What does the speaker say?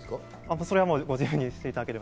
それはご自由にしていただければ。